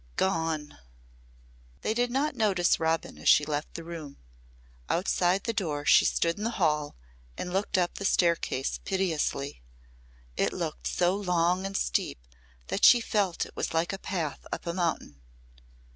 "Gone!" They did not notice Robin as she left the room. Outside the door she stood in the hall and looked up the staircase piteously. It looked so long and steep that she felt it was like a path up a mountain.